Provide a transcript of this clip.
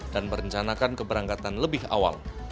dan merencanakan keberangkatan lebih awal